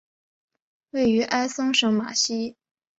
位于埃松省马西。